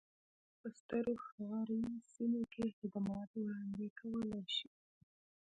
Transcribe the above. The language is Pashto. دولت په سترو ښاري سیمو کې خدمات وړاندې کولای شي.